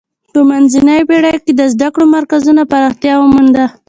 په منځنیو پیړیو کې د زده کړو مرکزونو پراختیا ومونده.